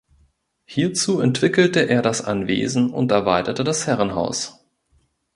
Hierzu entwickelte er das Anwesen und erweitere das Herrenhaus.